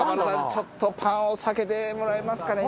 ちょっとパンを避けてもらえますかね？